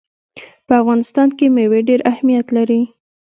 په افغانستان کې مېوې ډېر اهمیت لري.